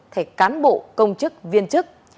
thẻ cán bộ công chức viên chức